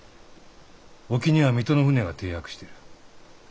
沖には水戸の船が停泊してる。